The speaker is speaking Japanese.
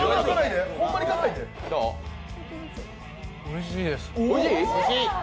おいしいです。